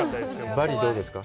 バリ、どうですか。